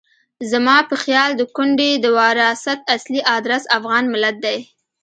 زما په خیال د کونډې د وراثت اصلي ادرس افغان ملت دی.